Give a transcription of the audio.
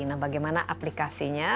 nah bagaimana aplikasinya